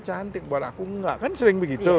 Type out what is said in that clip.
cantik buat aku enggak kan sering begitu